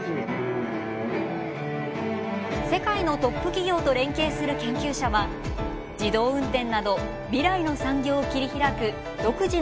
世界のトップ企業と連携する研究者は自動運転など未来の産業を切り開く独自の半導体を開発。